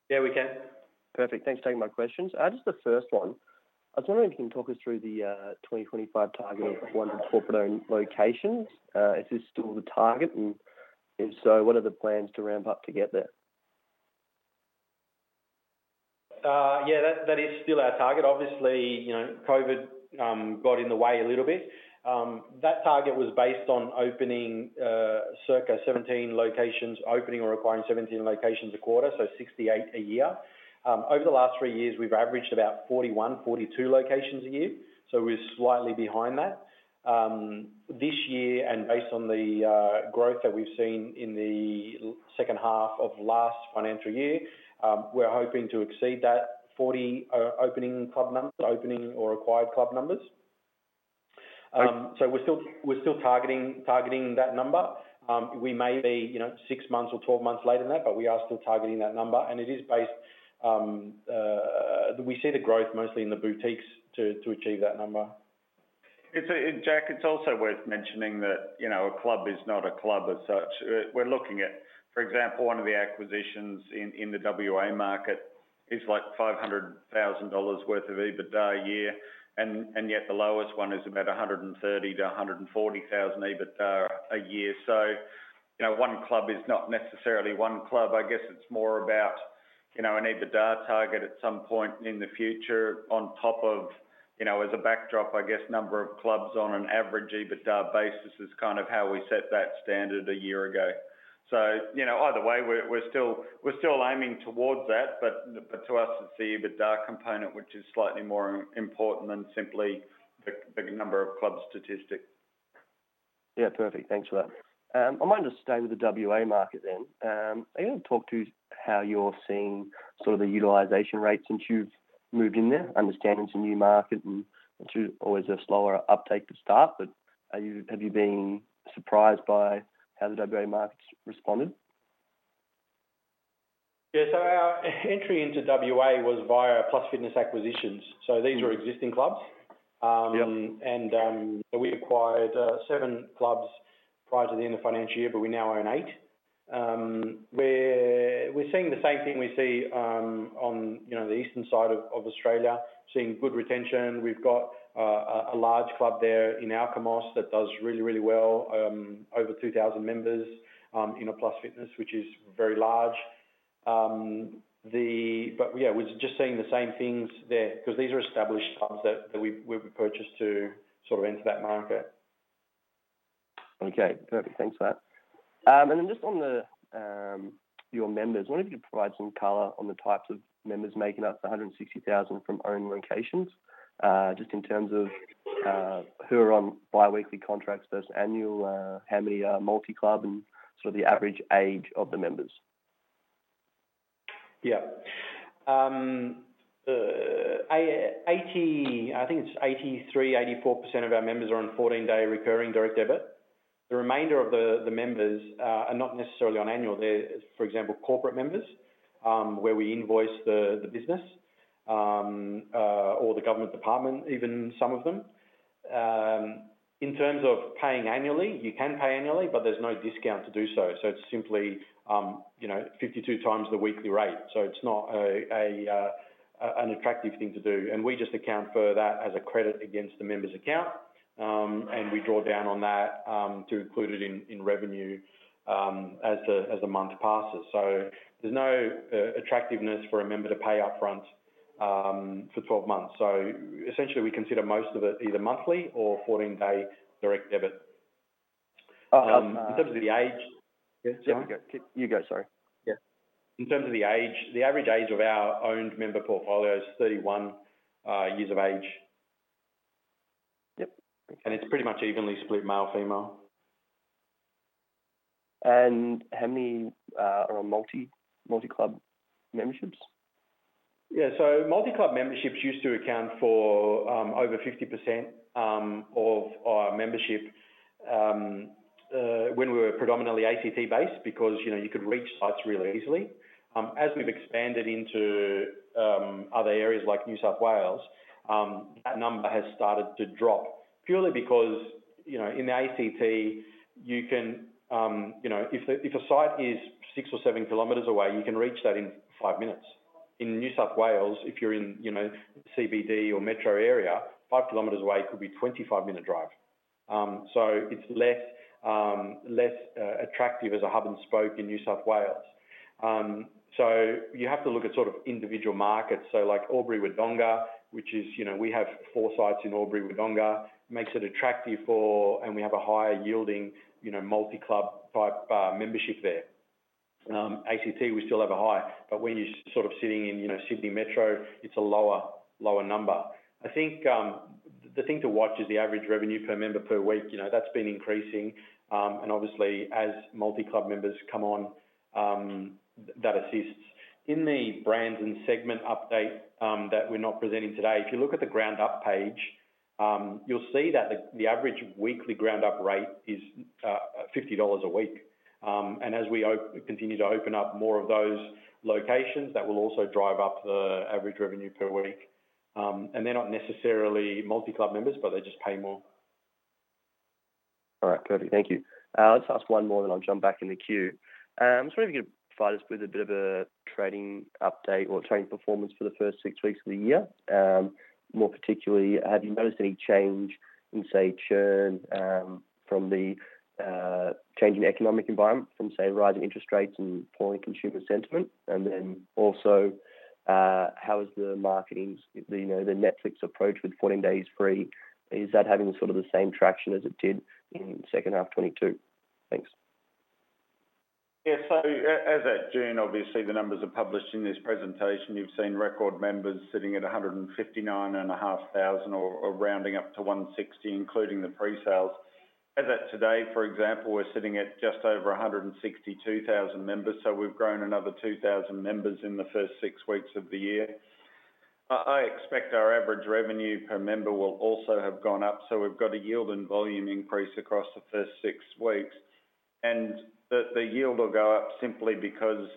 Yeah, we can. Perfect. Thanks for taking my questions. Just the first one, I was wondering if you can talk us through the 2025 target of 100 corporate-owned locations. Is this still the target? If so, what are the plans to ramp up to get there? Yeah, that is still our target. Obviously, you know, COVID got in the way a little bit. That target was based on opening circa 17 locations, opening or acquiring 17 locations a quarter, so 68 a year. Over the last three years, we've averaged about 41, 42 locations a year. We're slightly behind that. This year, and based on the growth that we've seen in the second half of last financial year, we're hoping to exceed that 40, opening club numbers, opening or acquired club numbers. Okay. We're still targeting that number. We may be, you know, 6 months or 12 months late in that, but we are still targeting that number, and it is based. We see the growth mostly in the boutiques to achieve that number. Jack, it's also worth mentioning that, you know, a club is not a club as such. We're looking at, for example, one of the acquisitions in the WA market is, like, 500,000 dollars worth of EBITDA a year, and yet the lowest one is about 130,000-140,000 EBITDA a year. You know, one club is not necessarily one club. I guess it's more about, you know, an EBITDA target at some point in the future on top of, you know, as a backdrop, I guess number of clubs on an average EBITDA basis is kind of how we set that standard a year ago. You know, either way, we're still aiming towards that, but to us, it's the EBITDA component, which is slightly more important than simply the number of clubs statistic. Yeah, perfect. Thanks for that. I might just stay with the WA market then. Are you able to talk to how you're seeing sort of the utilization rate since you've moved in there? Understanding it's a new market and sort of always a slower uptake to start, but have you been surprised by how the WA market's responded? Yeah. Our entry into WA was via Plus Fitness acquisitions. These were existing clubs. Yep. We acquired seven clubs prior to the end of financial year, but we now own eight. We're seeing the same thing we see on you know the eastern side of Australia, seeing good retention. We've got a large club there in Alkimos that does really well. Over 2,000 members in a Plus Fitness, which is very large. Yeah, we're just seeing the same things there 'cause these are established clubs that we've purchased to sort of enter that market. Okay. Perfect. Thanks for that. And then just on the your members, I wonder if you could provide some color on the types of members making up the 160,000 from owned locations, just in terms of who are on biweekly contracts versus annual, how many are multi-club and sort of the average age of the members? I think it's 83%-84% of our members are on 14-day recurring direct debit. The remainder of the members are not necessarily on annual. They're, for example, corporate members where we invoice the business or the government department, even some of them. In terms of paying annually, you can pay annually, but there's no discount to do so. It's simply you know 52 times the weekly rate. It's not an attractive thing to do. We just account for that as a credit against the member's account and we draw down on that to include it in revenue as the month passes. There's no attractiveness for a member to pay up front for 12 months. Essentially, we consider most of it either monthly or 14-day direct debit. In terms of the age. Yeah. You go. Sorry. Yeah. In terms of the age, the average age of our owned member portfolio is 31 years of age. Yep. It's pretty much evenly split, male, female. How many are on multi-club memberships? Yeah. Multi-club memberships used to account for over 50% of our membership when we were predominantly ACT-based because you know you could reach sites really easily. As we've expanded into other areas like New South Wales that number has started to drop purely because you know in the ACT you can you know if a site is 6 or 7 km away you can reach that in five minutes. In New South Wales if you're in you know CBD or metro area 5 km away could be a 25-minute drive. It's less attractive as a hub and spoke in New South Wales. You have to look at sort of individual markets. Like Albury-Wodonga which is you know we have four sites in Albury-Wodonga makes it attractive for... We have a higher yielding, you know, multi-club type membership there. ACT, we still have a high, but when you're sort of sitting in, you know, Sydney metro, it's a lower number. I think the thing to watch is the average revenue per member per week. You know, that's been increasing. And obviously as multi-club members come on, that assists. In the brands and segment update that we're not presenting today, if you look at the GROUNDUP page, you'll see that the average weekly GROUNDUP rate is 50 dollars a week. And as we continue to open up more of those locations, that will also drive up the average revenue per week. And they're not necessarily multi-club members, but they just pay more. All right. Perfect. Thank you. I'll just ask one more then I'll jump back in the queue. Just wondering if you could provide us with a bit of a trading update or trading performance for the first six weeks of the year. More particularly, have you noticed any change in, say, churn, from the changing economic environment from, say, rising interest rates and falling consumer sentiment? How is the marketing, you know, the Netflix approach with 14 days free, is that having sort of the same traction as it did in second half 2022? Thanks. As at June, obviously, the numbers are published in this presentation. You've seen record members sitting at 159.5 thousand or rounding up to 160, including the pre-sales. As at today, for example, we're sitting at just over 162,000 members, so we've grown another 2,000 members in the first six weeks of the year. I expect our average revenue per member will also have gone up, so we've got a yield and volume increase across the first six weeks. The yield will go up simply because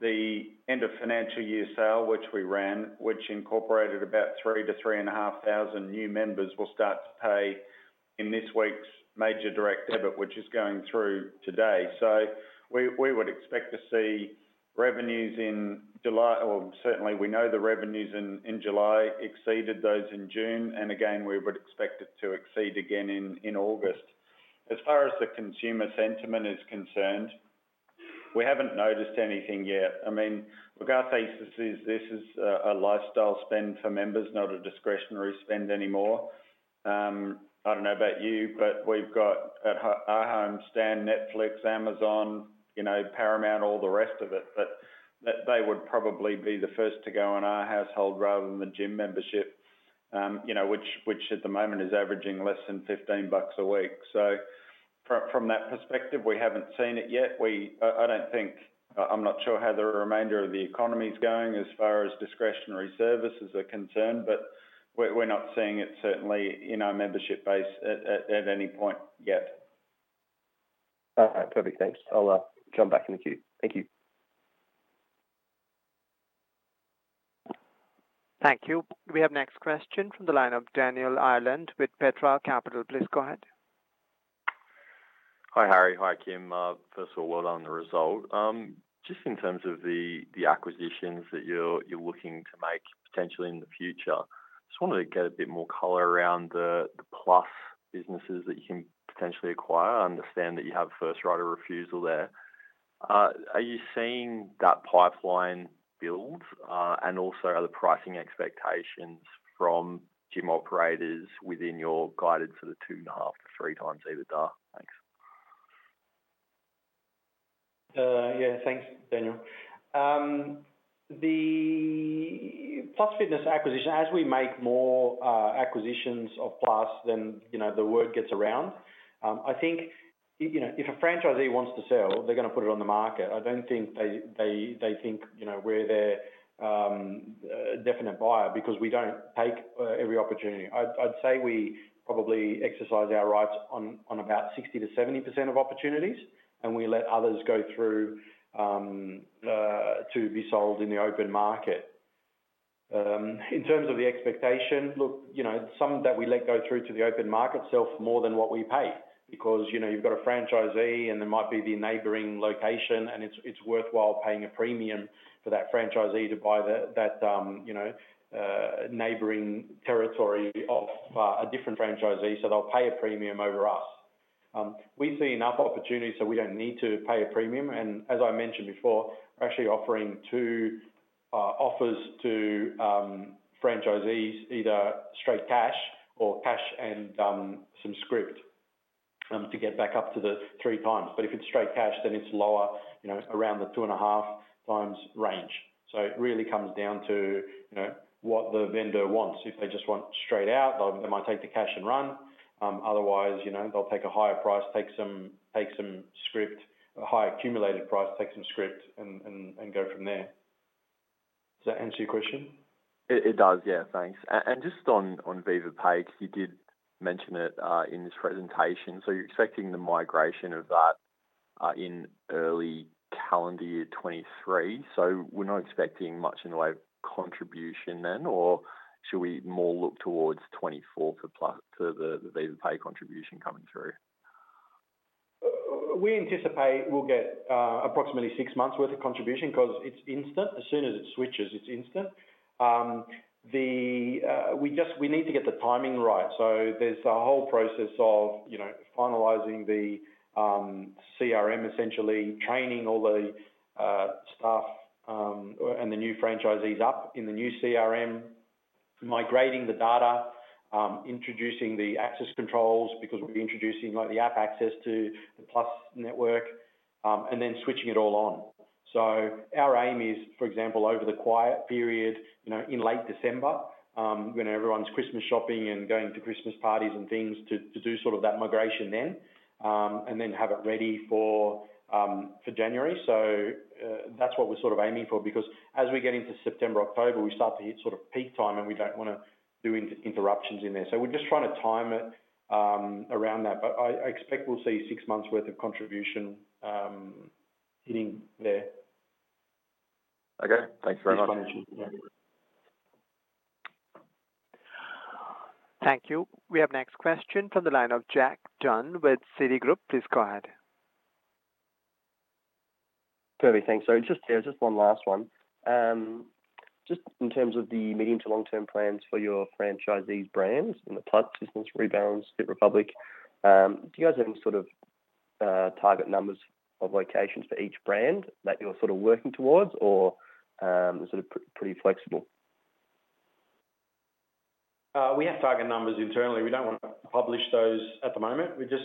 the end of financial year sale, which we ran, which incorporated about 3-3.5 thousand new members, will start to pay in this week's major direct debit, which is going through today. We would expect to see revenues in July, or certainly we know the revenues in July exceeded those in June, and again, we would expect it to exceed again in August. As far as the consumer sentiment is concerned, we haven't noticed anything yet. I mean, regardless, this is a lifestyle spend for members, not a discretionary spend anymore. I don't know about you, but we've got at our home Stan, Netflix, Amazon, you know, Paramount+, all the rest of it. But they would probably be the first to go in our household rather than the gym membership, you know, which at the moment is averaging less than 15 bucks a week. From that perspective, we haven't seen it yet. We. I'm not sure how the remainder of the economy is going as far as discretionary services are concerned, but we're not seeing it certainly in our membership base at any point yet. All right. Perfect. Thanks. I'll jump back in the queue. Thank you. Thank you. We have next question from the line of Daniel Ireland with Petra Capital. Please go ahead. Hi, Harry. Hi, Kym. First of all, well done on the result. Just in terms of the acquisitions that you're looking to make potentially in the future, just wanted to get a bit more color around the Plus businesses that you can potentially acquire. I understand that you have first right of refusal there. Are you seeing that pipeline build? And also are the pricing expectations from gym operators within your guidance of the 2.5-3 times EBITDA? Thanks. Yeah, thanks, Daniel. The Plus Fitness acquisition, as we make more acquisitions of Plus, then, you know, the word gets around. I think, you know, if a franchisee wants to sell, they're gonna put it on the market. I don't think they think, you know, we're their definite buyer because we don't take every opportunity. I'd say we probably exercise our rights on about 60%-70% of opportunities, and we let others go through to be sold in the open market. In terms of the expectation, look, you know, some that we let go through to the open market sell for more than what we pay because, you know, you've got a franchisee, and there might be the neighboring location, and it's worthwhile paying a premium for that franchisee to buy that, you know, neighboring territory off a different franchisee, so they'll pay a premium over us. We see enough opportunities, so we don't need to pay a premium. As I mentioned before, we're actually offering two offers to franchisees, either straight cash or cash and some scrip to get back up to the three times. If it's straight cash, then it's lower, you know, around the 2.5 times range. It really comes down to, you know, what the vendor wants. If they just want straight out, they might take the cash and run. Otherwise, you know, they'll take a higher price, take some scrip, a high accumulated price, take some scrip and go from there. Does that answer your question? It does, yeah. Thanks. Just on Viva Pay, 'cause you did mention it in this presentation. You're expecting the migration of that in early calendar year 2023. We're not expecting much in the way of contribution then, or should we more look towards 2024 for Plus Fitness to the Viva Pay contribution coming through? We anticipate we'll get, approximately six months worth of contribution 'cause it's instant. As soon as it switches, it's instant. We need to get the timing right. There's a whole process of, you know, finalizing the, CRM, essentially training all the, staff, and the new franchisees up in the new CRM, migrating the data, introducing the access controls because we'll be introducing like the app access to the Plus network, and then switching it all on. Our aim is, for example, over the quiet period, you know, in late December, when everyone's Christmas shopping and going to Christmas parties and things to do sort of that migration then, and then have it ready for January. That's what we're sort of aiming for because as we get into September, October, we start to hit sort of peak time, and we don't wanna do interruptions in there. We're just trying to time it around that. I expect we'll see six months worth of contribution hitting there. Okay. Thanks very much. This one issue. Yeah. Thank you. We have next question from the line of Jack Dunn with Citigroup. Please go ahead. Perfect. Thanks. Just, yeah, just one last one. Just in terms of the medium to long-term plans for your franchisees brands and the Plus business, Rebalance, hiit republic, do you guys have any sort of target numbers of locations for each brand that you're sort of working towards or sort of pretty flexible? We have target numbers internally. We don't want to publish those at the moment. We just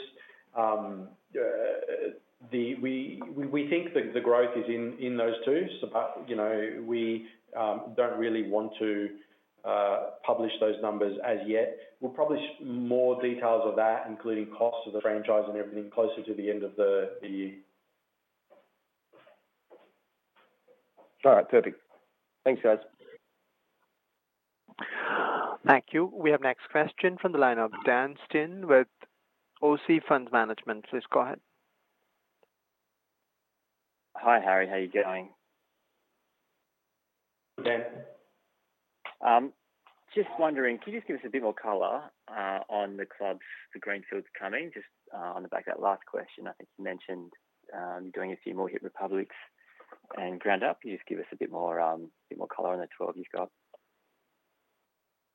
think the growth is in those two. You know, we don't really want to publish those numbers as yet. We'll publish more details of that, including costs of the franchise and everything closer to the end of the year. All right. Perfect. Thanks, guys. Thank you. We have next question from the line of Dan Stein with OC Funds Management. Please go ahead. Hi, Harry. How are you going? Good, Dan. Just wondering, can you just give us a bit more color on the clubs, the greenfields coming? Just, on the back of that last question, I think you mentioned doing a few more hiit republics and GROUNDUP. Can you just give us a bit more color on the 12 you've got?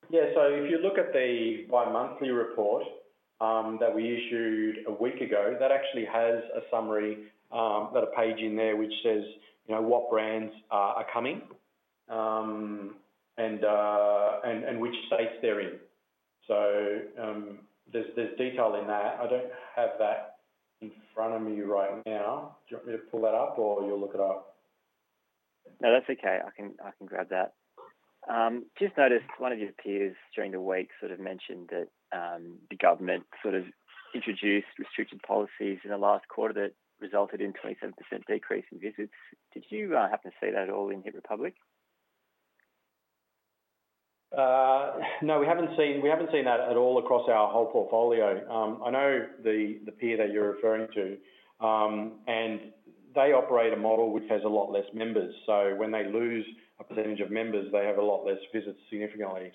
Yeah. If you look at the bi-monthly report that we issued a week ago, that actually has a summary, got a page in there which says, you know, what brands are coming and which states they're in. There's detail in that. I don't have that in front of me right now. Do you want me to pull that up or you'll look it up? No, that's okay. I can grab that. Just noticed one of your peers during the week sort of mentioned that, the government sort of introduced restricted policies in the last quarter that resulted in a 27% decrease in visits. Did you happen to see that at all in hiit republic? No, we haven't seen that at all across our whole portfolio. I know the peer that you're referring to, and they operate a model which has a lot less members. When they lose a percentage of members, they have a lot less visits, significantly.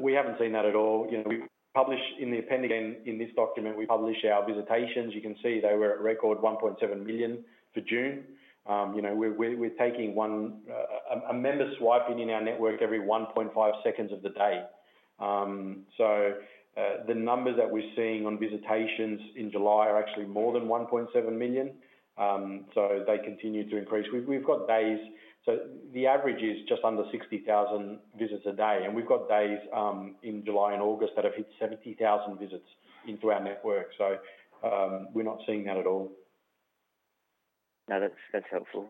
We haven't seen that at all. We publish in the appendix in this document our visitations. You can see they were at record 1.7 million for June. We're taking a member swiping in our network every 1.5 seconds of the day. The numbers that we're seeing on visitations in July are actually more than 1.7 million. They continue to increase. The average is just under 60,000 visits a day, and we've got days in July and August that have hit 70,000 visits into our network. We're not seeing that at all. No, that's helpful.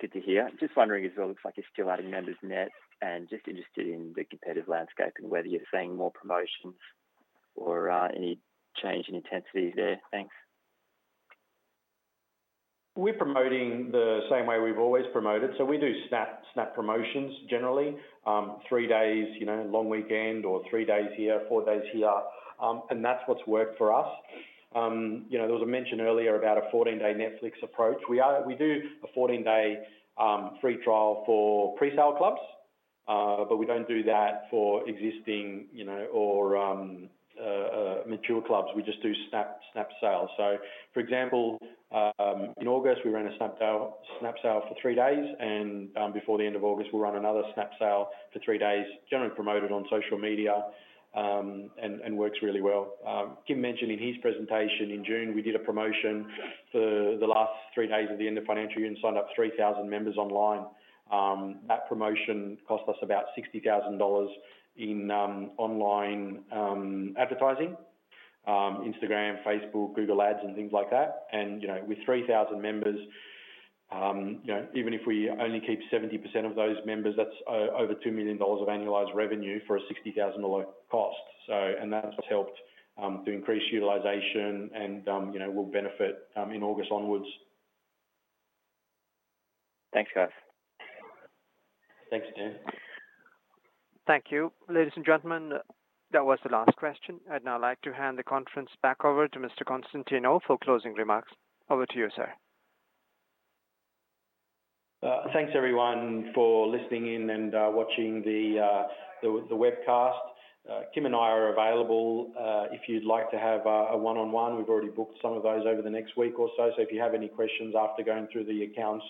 Good to hear. Just wondering as well, looks like you're still adding members net and just interested in the competitive landscape and whether you're seeing more promotions or any change in intensity there? Thanks. We're promoting the same way we've always promoted. We do snap promotions generally. Three days, you know, long weekend or three days here, four days here. That's what's worked for us. You know, there was a mention earlier about a 14-day Netflix approach. We do a 14-day free trial for pre-sale clubs. We don't do that for existing, you know, or mature clubs. We just do snap sales. For example, in August, we ran a snap sale for three days, and before the end of August, we'll run another snap sale for three days, generally promoted on social media, and works really well. Kym mentioned in his presentation in June, we did a promotion for the last three days of the end of financial year and signed up 3,000 members online. That promotion cost us about 60 thousand dollars in online advertising, Instagram, Facebook, Google Ads and things like that. You know, with 3,000 members, you know, even if we only keep 70% of those members, that's over 2 million dollars of annualized revenue for a 60,000 dollar cost. That's helped to increase utilization and, you know, will benefit in August onwards. Thanks, guys. Thanks, Dan. Thank you. Ladies and gentlemen, that was the last question. I'd now like to hand the conference back over to Mr. Konstantinou for closing remarks. Over to you, sir. Thanks, everyone, for listening in and watching the webcast. Kym and I are available if you'd like to have a one-on-one. We've already booked some of those over the next week or so. If you have any questions after going through the accounts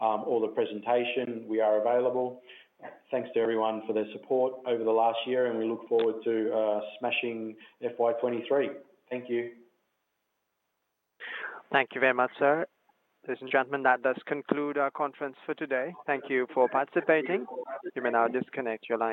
or the presentation, we are available. Thanks to everyone for their support over the last year, and we look forward to smashing FY 2023. Thank you. Thank you very much, sir. Ladies and gentlemen, that does conclude our conference for today. Thank you for participating. You may now disconnect your line.